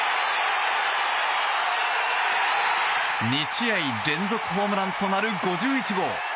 ２試合連続ホームランとなる５１号！